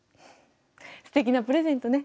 すてきなプレゼントね。